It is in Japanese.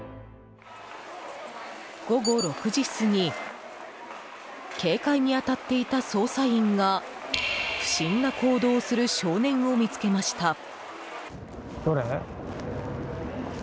午後６時過ぎ警戒に当たっていた捜査員が不審な行動をする少年を見つけました。